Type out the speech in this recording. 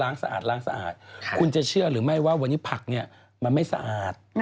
วันนี้ชั้นจะเชื่อหรือไม่ไว้ว่าวันนี้ผักเนี่ยมันไม่สะอาด